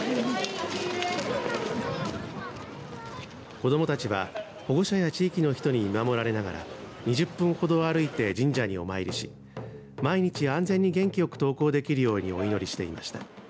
子どもたちは保護者や地域の人に見守られながら２０分ほど歩いて神社にお参りし毎日、安全に元気よく登校できるようにお祈りしていました。